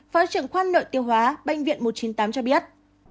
phó trưởng khoa nội tiêu hóa bệnh viện một trăm chín mươi tám cho biết